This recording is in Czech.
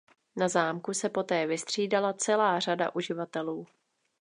Na zámku se poté vystřídala celá řada uživatelů.